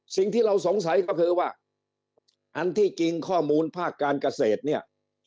สิ่งที่เราสงสัยก็คือว่าอันที่จริงข้อมูลภาคการเกษตรเนี่ย